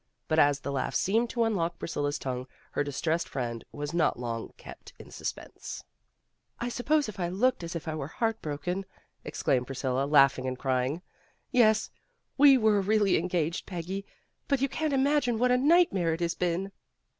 But as the laugh seemed to unlock Priscilla's tongue, her distressed friend was not long kept in suspense. "I suppose I looked as if I were heart broken," exclaimed Priscilla, laughing and crying. "Yes, we were really engaged, Peggy, but you can't imagine what a nightmare it has been."